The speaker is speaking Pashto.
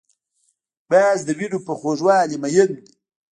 باز د وینو په خوږوالي مین دی